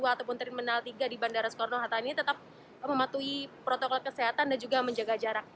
ataupun terminal tiga di bandara soekarno hatta ini tetap mematuhi protokol kesehatan dan juga menjaga jarak